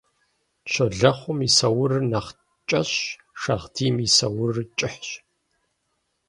Щолэхъум и саурыр нэхъ кӀэщӀщ, шагъдийм и саурыр кӀыхьщ.